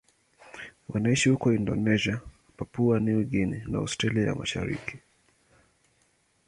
Wanaishi huko Indonesia, Papua New Guinea na Australia ya Mashariki.